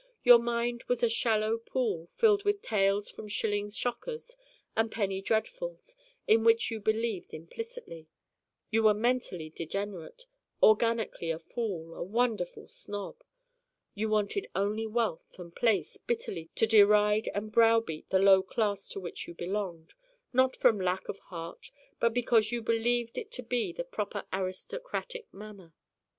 Your mind was a shallow pool filled with tales from shilling shockers and penny dreadfuls in which you believed implicitly. You were mentally degenerate, organically a fool, a wonderful snob. You wanted only wealth and place bitterly to deride and browbeat the low class to which you belonged not from lack of heart but because you believed it to be the proper aristocratic manner.